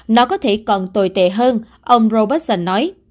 nó có thể còn tồi tệ hơn ông roberts nói